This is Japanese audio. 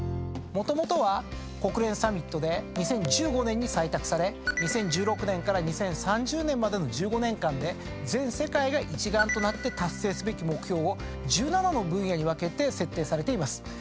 もともとは国連サミットで２０１５年に採択され２０１６年から２０３０年までの１５年間で全世界が一丸となって達成すべき目標を１７の分野に分けて設定されています。